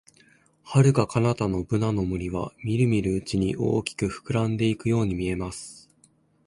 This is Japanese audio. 遥か彼方のブナの森は、みるみるうちに大きく膨らんでいくように見えます。